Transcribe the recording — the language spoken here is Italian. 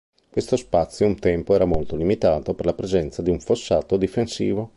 Questo spazio un tempo era molto limitato per la presenza di un fossato difensivo.